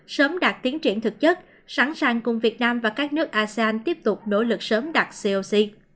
sớm đạt tiến triển thực chất sẵn sàng cùng việt nam và các nước asean tiếp tục nỗ lực sớm đạt coc